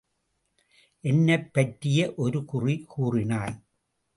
என்னைப் பற்றிய ஒரு குறி கூறினாய்.